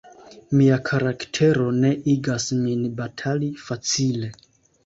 Mia karaktero ne igas min batali facile.